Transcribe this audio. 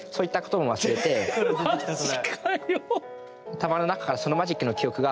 頭の中からそのマジックの記憶が。